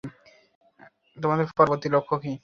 তোমার পরবর্তী লক্ষ্য কি?